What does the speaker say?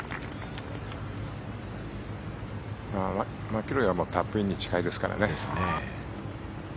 マキロイはタップインに近いですからね。